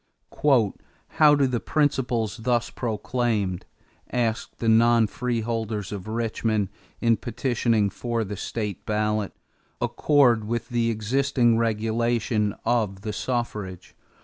"How do the principles thus proclaimed," asked the non freeholders of Richmond, in petitioning for the ballot, "accord with the existing regulation of the suffrage?